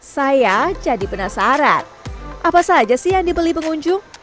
saya jadi penasaran apa saja sih yang dibeli pengunjung